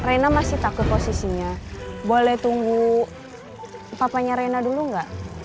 rena masih takut posisinya boleh tunggu papanya reina dulu nggak